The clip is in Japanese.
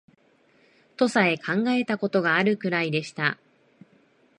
とさえ考えた事があるくらいでした